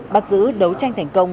bắt giữ đấu tranh thành công